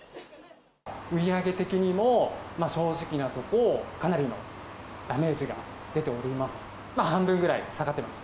売り上げ的にも、正直なところ、かなりのダメージが出ております。